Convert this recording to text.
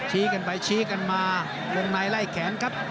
กันไปชี้กันมาวงในไล่แขนครับ